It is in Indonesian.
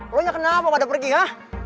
lo nya kenapa gak ada pergi ha